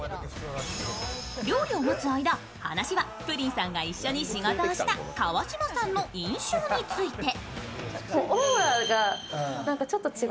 料理を待つ間、話はプリンさんが一緒に仕事をした川島さんの印象について。